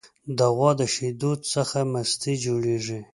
د غوا د شیدو څخه مستې جوړیږي.